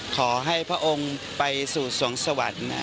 ขอให้พระองค์ไปสู่สวงสวรรค์